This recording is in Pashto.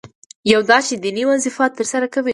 یو دا چې دیني وظیفه ترسره کوي.